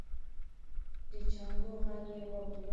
د جانکو غږ يې واورېد.